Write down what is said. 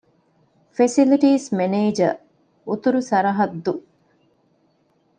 ފެސިލިޓީސް މެނޭޖަރ - އުތުރު ސަރަހައްދު